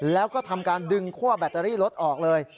แล้วก็ทำการดึงคั่วแบตเตอรี่รถออกเลย